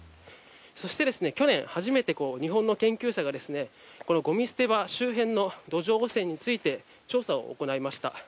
そして去年初めて日本の研究者がこのごみ捨て場周辺の土壌汚染について調査を行いました。